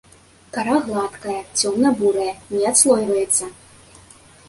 Кара гладкая, цёмна-бурая, не адслойваецца.